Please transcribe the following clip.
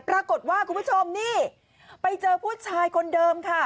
ปรากฏว่าคุณผู้ชมนี่ไปเจอผู้ชายคนเดิมค่ะ